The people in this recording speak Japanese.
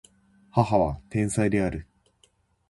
母は天才である